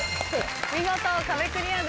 見事壁クリアです。